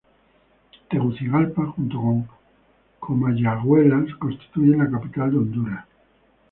Tegucigalpa, junto con Comayagüela, constituyen la capital de Honduras.